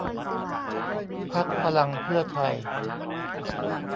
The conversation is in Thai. พรรคพลังเพื่อไทย